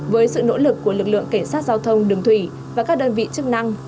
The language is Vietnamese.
với sự nỗ lực của lực lượng cảnh sát giao thông đường thủy và các đơn vị chức năng